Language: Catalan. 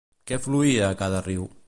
Què fluïa a cada riu?